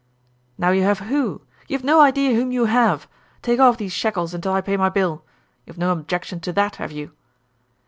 "Now you have who? You have no idea whom you have. Take off these shackles until I pay my bill. You have no objection to that, have you?"